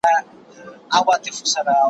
نس مي موړ دی تن مي پټ دی اوښ مي بار دی